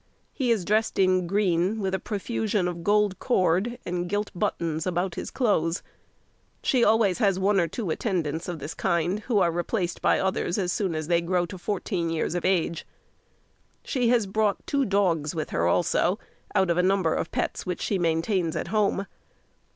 He is dressed in green, with a profusion of gold cord and gilt buttons about his clothes. She always has one or two attendants of the kind, who are replaced by others as soon as they grow to fourteen years of age. She has brought two dogs with her also, out of a number of pets which she maintains at home.